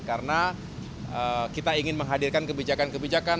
karena kita ingin menghadirkan kebijakan kebijakan